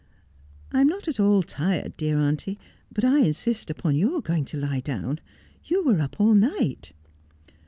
' I am not at all tired, dear auntie, but I insist upon your going to lie down. You were up all night.'